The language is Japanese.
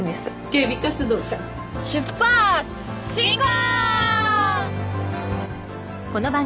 警備活動か出発進行！